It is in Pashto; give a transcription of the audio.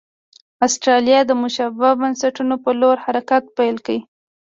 اسټرالیا د مشابه بنسټونو په لور حرکت پیل کړ.